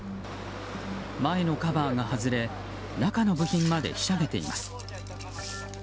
前のカバーが外れ中の部品までひしゃげています。